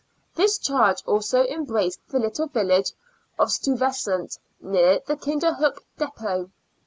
This charge also embraced the little village of Stu3rvesant, near the Kinder hook depot.